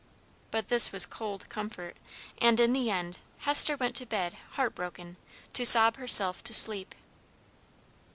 But this was cold comfort, and, in the end, Hester went to bed heartbroken, to sob herself to sleep.